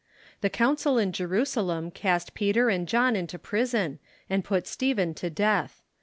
The council in Jerusalem cast Peter and John into prison, and put Stephen to death.